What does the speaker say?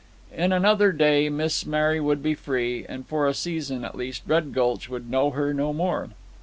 In another day Miss Mary would be free; and for a season, at least, Red Gulch would know her no more.